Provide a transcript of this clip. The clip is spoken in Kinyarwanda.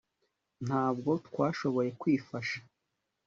Ntabwo twashoboye kwifasha